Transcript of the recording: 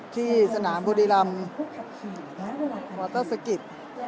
ที่สนามบุรีรำมอเตอร์สกิด